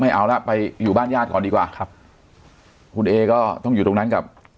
เอาละไปอยู่บ้านญาติก่อนดีกว่าครับคุณเอก็ต้องอยู่ตรงนั้นกับ